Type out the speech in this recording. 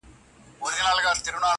رنګ به د پانوس نه وي تیاره به وي٫